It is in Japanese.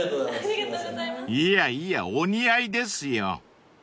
［いやいやお似合いですよ］